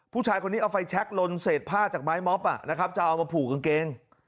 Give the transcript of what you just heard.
ผู้ชายคนนี้เอาไฟแช็คลนเศษผ้าจากไม้ม็อบนะครับจะเอามาผูกกางเกง